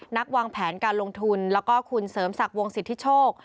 วางแผนการลงทุนแล้วก็คุณเสริมศักดิ์วงสิทธิโชค